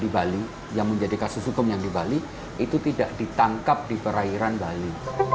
di bali yang menjadi kasus hukum yang di bali itu tidak ditangkap di perairan bali